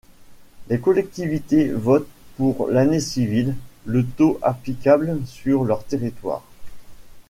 Les collectivités votent, pour l'année civile, le taux applicable sur leur territoire.